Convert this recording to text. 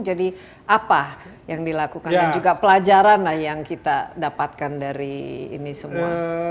jadi apa yang dilakukan dan juga pelajaran lah yang kita dapatkan dari ini semua